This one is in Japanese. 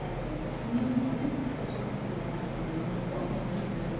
うま味も閉じ込めてくれますので小麦粉を振ります。